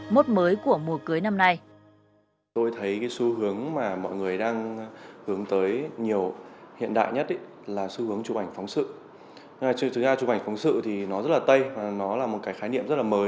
mốt mới của mùa cưới năm nay